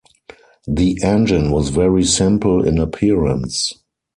The engine was very simple in appearance.